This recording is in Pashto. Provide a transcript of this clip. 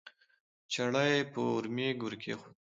چړه یې په ورمېږ ورکېښوده